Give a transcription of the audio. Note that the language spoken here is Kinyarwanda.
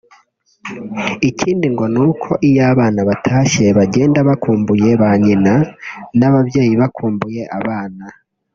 Ikindi ngo ni uko iyo abana batashye bagenda bakumbuye ba nyina n’ababyeyi bakumbuye abana